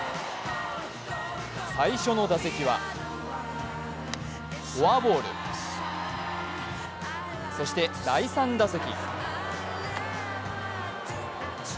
最初の打席はフォアボール、そして第３打席。